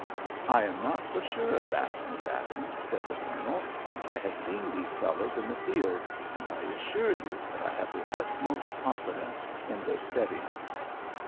"I am not so sure of that, Miss Adams," said the Colonel. "I have seen these fellows in the field, and I assure you that I have the utmost confidence in their steadiness."